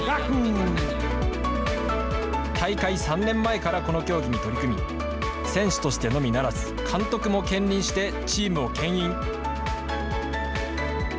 大会３年前からこの競技に取り組み、選手としてのみならず、監督も兼任して、チームをけん引。